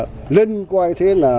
mà lên coi thế là